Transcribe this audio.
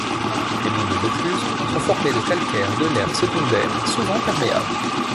Les monts de Vaucluse sont formés de calcaires de l'ère secondaire, souvent perméables.